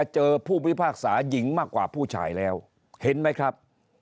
เจอผู้พิพากษาหญิงมากกว่าผู้ชายแล้วเห็นไหมครับ